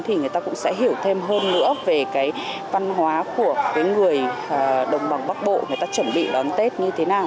thì người ta cũng sẽ hiểu thêm hơn nữa về cái văn hóa của cái người đồng bằng bắc bộ người ta chuẩn bị đón tết như thế nào